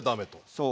そう。